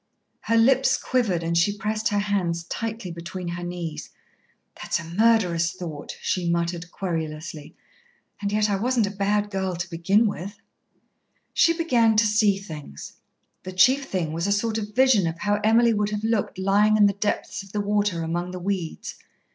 Her lips quivered, and she pressed her hands tightly between her knees. "That's a murderer's thought," she muttered querulously. "And yet I wasn't a bad girl to begin with." She began to see things. The chief thing was a sort of vision of how Emily would have looked lying in the depths of the water among the weeds.